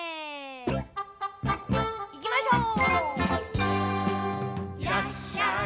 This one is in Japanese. いきましょう！